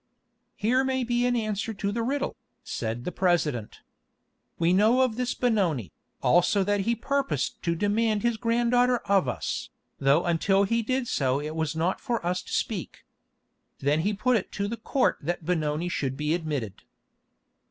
"Here may be an answer to the riddle," said the President. "We know of this Benoni, also that he purposed to demand his granddaughter of us, though until he did so it was not for us to speak." Then he put it to the Court that Benoni should be admitted.